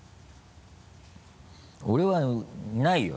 俺はないよ